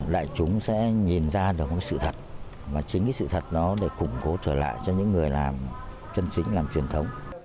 đại chúng sẽ nhìn ra được sự thật và chính sự thật đó để củng cố trở lại cho những người chân chính làm truyền thống